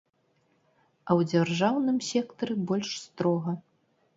А ў дзяржаўным сектары больш строга.